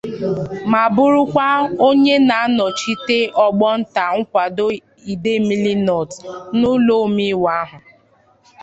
ma bụrụkwa onye na-anọchite anya ọgbọ nta nkwàdo Idemili North n'ụlọ omeiwu ahụ